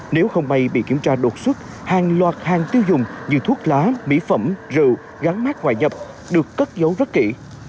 nếu không may bị kiểm tra đột xuất hàng loạt hàng tiêu dùng như thuốc lá mỹ phẩm rượu gắn mát ngoại nhập được cất dấu rất kỹ